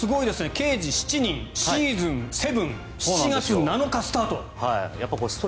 「刑事７人」シーズン７７月７日スタート。